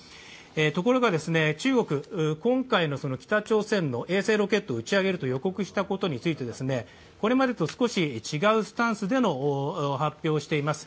ところが中国、今回の北朝鮮の衛星ロケットを打ち上げると予告したことはこれまでと少し違うスタンスでの発表をしています。